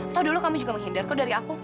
atau dulu kamu juga menghindar kau dari aku